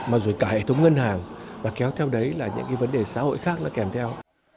mà rồi cả hệ thống ngân hàng và kéo theo đấy là những cái vấn đề xã hội khác nó kèm theo